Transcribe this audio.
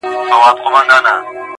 هره مياشت به دوې هفتې پاچا په ښكار وو.!